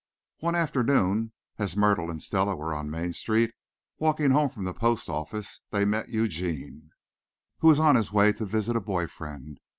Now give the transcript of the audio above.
One afternoon, as Myrtle and Stella were on Main Street, walking home from the post office, they met Eugene, who was on his way to visit a boy friend.